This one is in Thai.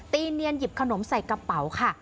เนียนหยิบขนมใส่กระเป๋าค่ะ